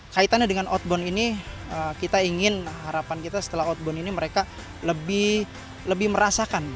kaitannya dengan outbound ini kita ingin harapan kita setelah outbound ini mereka lebih merasakan